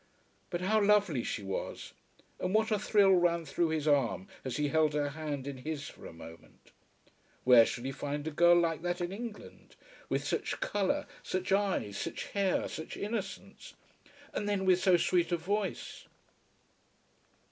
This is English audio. But how lovely she was; and what a thrill ran through his arm as he held her hand in his for a moment. Where should he find a girl like that in England with such colour, such eyes, such hair, such innocence, and then with so sweet a voice?